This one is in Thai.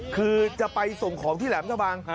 คือจะไปส่งของที่แหลมทะบาง